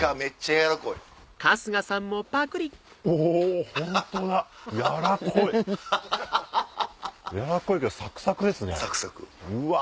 やらこいけどサクサクですねうわ！